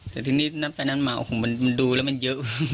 แต่ทีนี้นับไปนับมาโอ้โหมันดูแล้วมันเยอะ